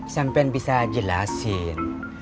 sampain bisa jelasin